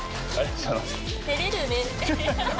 照れるね。